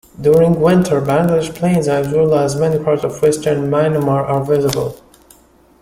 During winter, Bangladesh plains, as well as many parts of Western Myanmar, are visible.